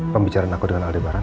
pembicaraanku dengan aldebaran